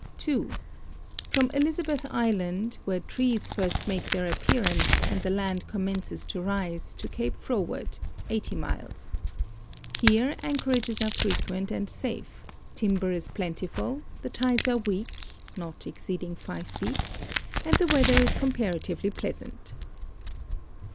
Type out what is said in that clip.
(2) From Elizabeth island, where trees first make their appearance and the land commences to rise, to Cape Froward, 80 miles. Here anchorages are frequent and safe, timber is plentiful, the tides are weak (not exceeding 5 feet), and the weather is comparatively pleasant.